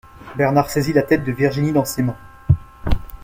Bernard saisit la tête de Virginie dans ses mains.